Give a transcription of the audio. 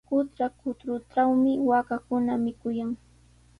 Qutra kutruntrawmi waakakuna mikuykan.